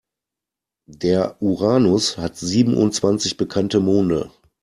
Der Uranus hat siebenundzwanzig bekannte Monde.